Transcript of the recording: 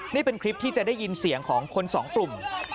นี่เป็นคลิปที่จะได้ยินเสียงของคนสองกลุ่ม